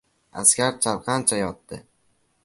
Askar chalqancha yotdi.